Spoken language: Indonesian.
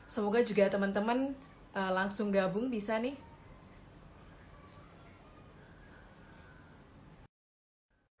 semoga juga teman teman langsung gabung bisa nih